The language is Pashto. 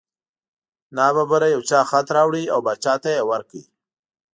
نا ببره یو چا خط راوړ او باچا ته یې ورکړ.